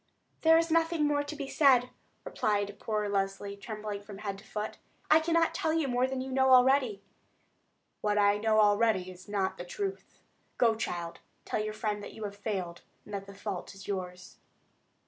"Then there is nothing more to be said," replied poor Leslie, trembling from head to foot. "I cannot tell you more than you know already." "What I know already is not the truth. Go, child; tell your friend that you have failed, and that the fault is yours."